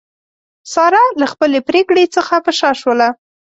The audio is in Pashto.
ساره له خپلې پرېکړې څخه په شا شوله.